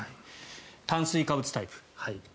炭水化物タイプ。